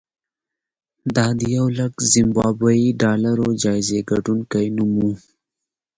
دا د یولک زیمبابويي ډالرو جایزې ګټونکي نوم و.